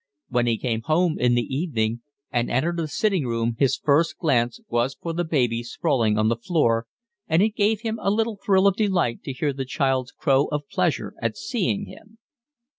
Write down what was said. When he came home in the evening and entered the sitting room his first glance was for the baby sprawling on the floor, and it gave him a little thrill of delight to hear the child's crow of pleasure at seeing him.